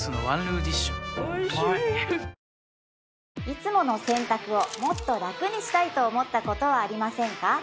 いつもの洗濯をもっと楽にしたいと思ったことはありませんか？